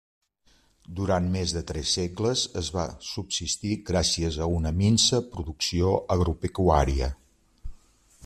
Durant més de tres segles es va subsistir gràcies a una minsa producció agropecuària.